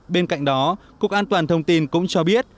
bên cạnh đó cục an toàn thông tin cũng cho biết